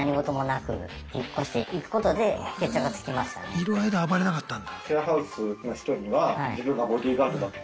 いる間暴れなかったんだ。